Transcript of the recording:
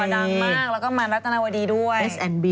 แล้วก็มารักษณวดีด้วย